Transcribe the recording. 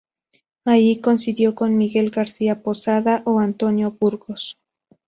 Allí coincidió con Miguel García Posada o Antonio Burgos.